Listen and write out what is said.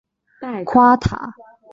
夸塔是巴西圣保罗州的一个市镇。